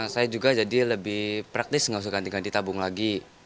saya juga jadi lebih praktis nggak usah ganti ganti tabung lagi